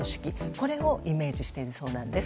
これをイメージしているそうなんです。